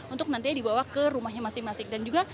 untuk nantinya dibawa ke rumahnya masing masing